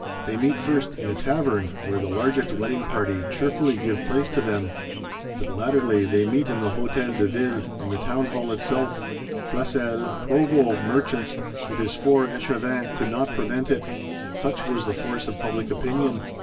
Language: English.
They meet first "in a Tavern;"—where "the largest wedding party" cheerfully give place to them. But latterly they meet in the Hôtel de Ville, in the Townhall itself. Flesselles, Provost of Merchants, with his Four Echevins (Scabins, Assessors), could not prevent it; such was the force of public opinion.